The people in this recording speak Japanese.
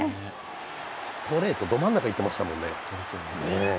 ストレートど真ん中いってましたもんね。